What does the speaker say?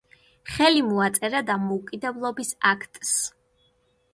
ხელი მოაწერა დამოუკიდებლობის აქტს.